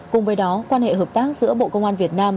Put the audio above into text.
cùng với đó quan hệ hợp tác giữa bộ công an việt nam